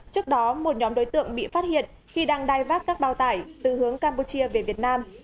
trước đó một nhóm đối tượng bị phát hiện khi đang đai vác các bao tải từ hướng campuchia về việt nam